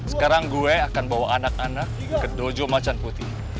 sekarang gue akan bawa anak anak ke dojo macan putih